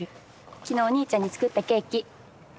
昨日お兄ちゃんに作ったケーキ。